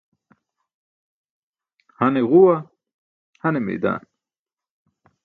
Hane guẏa, hane maidan.